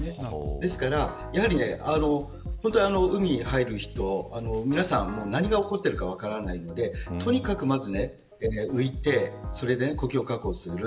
ですから、やはり本当に、海に入る人は皆さん、何が起こっているか分からないのでとにかく、まず浮いて呼吸を確保する。